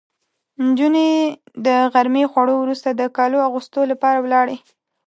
نجونې د غرمې خوړو وروسته د کالو اغوستو لپاره ولاړې.